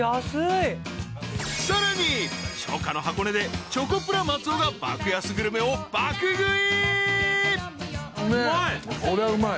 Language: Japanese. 更に、初夏の箱根でチョコプラ松尾が爆安グルメを爆食い！